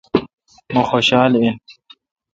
مہ خوشال این۔